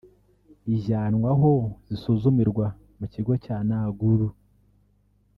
ijyanwa aho zisuzumirwa mu kigo cya Naguru